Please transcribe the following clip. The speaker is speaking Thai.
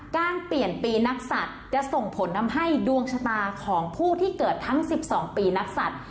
การเปลี่ยนปีนักศัตริย์จะส่งผลทำให้ดวงชะตาของผู้ที่เกิดทั้ง๑๒ปีนักศัตริย์